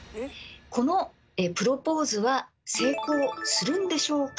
このプロポーズは成功するんでしょうか？